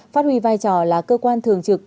phát huy vai trò là cơ quan thường trực